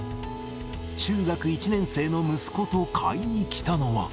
中学１年生の息子と買いに来たのは。